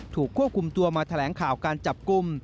ถูกควบคุมตัวมาแถลงข่าวการจับกลุ่ม